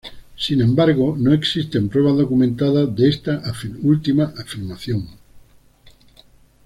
Sin embargo, no existen pruebas documentadas de esta última afirmación.